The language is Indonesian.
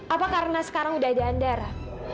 apa karena sekarang udah ada andara